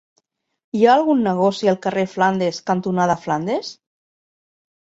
Hi ha algun negoci al carrer Flandes cantonada Flandes?